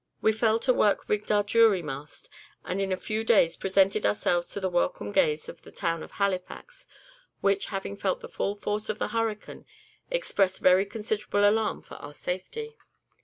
We fell to work rigged our jury mast, and in a few days presented ourselves to the welcome gaze of the town of Halifax, which, having felt the full force of the hurricane, expressed very considerable alarm for our safety.